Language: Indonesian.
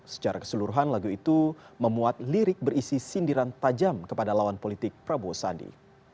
secara keseluruhan lagu itu memuat lirik berisi sindiran tajam kepada lawan politik prabowo sandi